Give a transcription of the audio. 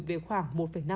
về khoảng một năm